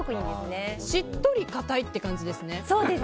しっとり硬いって感じですね。